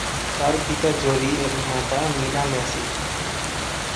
তার পিতা জলি এবং মাতা মীনা ম্যাসি।